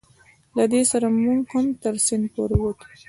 له دې سره موږ هم تر سیند پورې وتو.